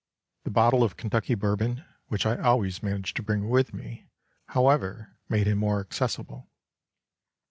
The bottle of Kentucky Bourbon, which I always managed to bring with me, however, made him more accessible.